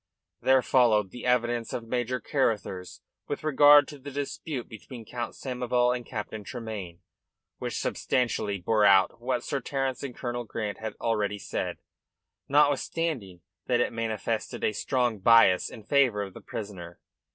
There followed the evidence of Major Carruthers with regard to the dispute between Count Samoval and Captain Tremayne, which substantially bore out what Sir Terence and Colonel Grant had already said, notwithstanding that it manifested a strong bias in favour of the prisoner.